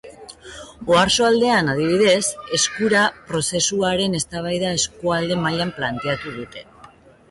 Oarsoaldean, adibidez, Eskura prozesuaren eztabaida eskualde mailan planteatu dute.